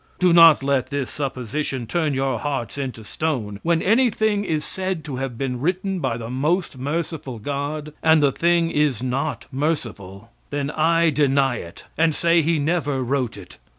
Do not let this supposition turn your hearts into stone. When anything is said to have been written by the most merciful God, and the thing is not merciful, then I deny it, and say he never wrote it.